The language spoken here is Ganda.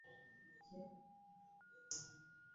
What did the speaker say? Nkyamunoonya naye lwe ndimukwata kkomera.